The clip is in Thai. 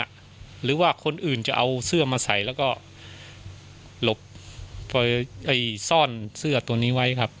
หรือว่าคนอื่นจะเอาเสื้อมาใส่แล้วก็หลบไปซ่อนเสื้อตัวนี้ไว้ครับ